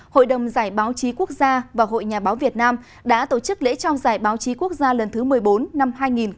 hội đồng giải báo chí quốc gia và hội nhà báo việt nam đã tổ chức lễ trao giải báo chí quốc gia lần thứ một mươi bốn năm hai nghìn một mươi chín